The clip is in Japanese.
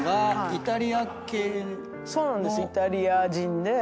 イタリア人で。